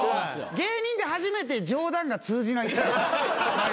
芸人で初めて冗談が通じない。